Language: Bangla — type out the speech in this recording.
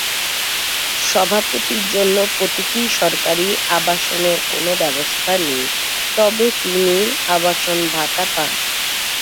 সভাপতির জন্য প্রতীকী সরকারি আবাসনের কোন ব্যবস্থা নেই, তবে তিনি আবাসন ভাতা পান।